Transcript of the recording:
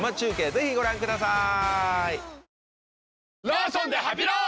ぜひご覧ください。